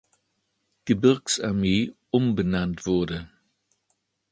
Gebirgs-Armee“ umbenannt wurde.